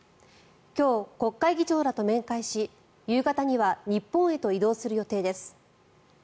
今日、国会議長らと面会し夕方には日本へと移動する予定です。